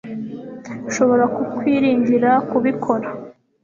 nshobora kukwiringira kubikora